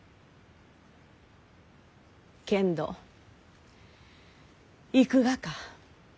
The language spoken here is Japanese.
けんど行くがか？